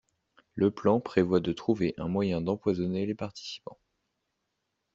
Le plan prévoit de trouver un moyen d’empoisonner les participants.